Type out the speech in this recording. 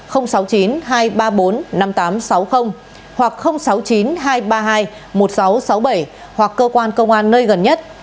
hoặc sáu mươi chín hai trăm ba mươi hai một nghìn sáu trăm sáu mươi bảy hoặc cơ quan công an nơi gần nhất